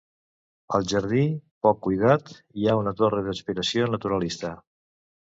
Al jardí, poc cuidat, hi ha una torre d'inspiració naturalista.